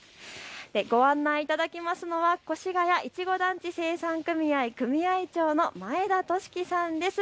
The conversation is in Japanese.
ご案内いただきますのは越谷いちご団地生産組合、組合長の前田寿樹さんです。